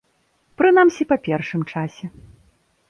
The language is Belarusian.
Прынамсі, па першым часе.